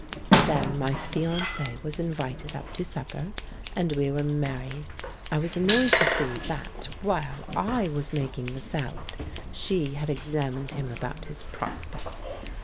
Then my fiance was invited up to supper, and we were merry. I was annoyed to see that, while I was making the salad, she had examined him about his prospects.